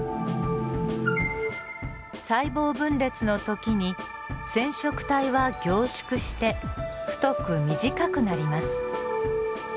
細胞分裂の時に染色体は凝縮して太く短くなります。